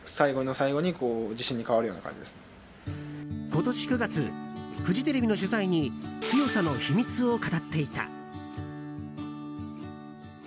今年９月、フジテレビの取材に強さの秘密を語っていた。